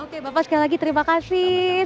oke bapak sekali lagi terima kasih